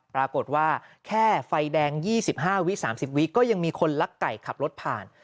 ปรากฏว่าแค่ไฟแดง๒๕วิ๓๐วิก็ยังมีคนลักไก่ขับรถผ่าน